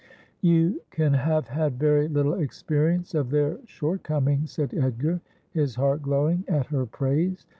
' You can have had very little experience of their shortcom ings,' said Edgar, his heart glowing at her praise.